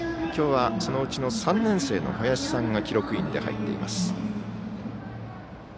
今日はそのうち、３年生の林さんが記録員で入っています。